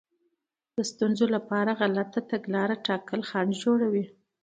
د ستونزې لپاره غلطه تګلاره ټاکل خنډ جوړوي.